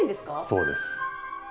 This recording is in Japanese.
そうです。